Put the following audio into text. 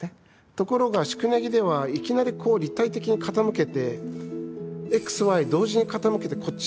ところが宿根木ではいきなりこう立体的に傾けてＸＹ同時に傾けてこっち